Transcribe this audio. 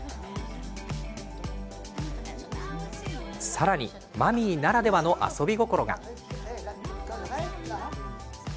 さらにマミーならではの遊び心が。